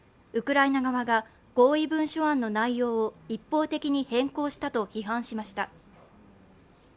ウクライナ側が合意文書案の内容を一方的に変更したと批判しました。